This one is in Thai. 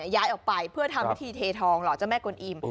ย้ายออกไปเพื่อทำพิธีเททองหล่อเจ้าแม่กวนอิ่ม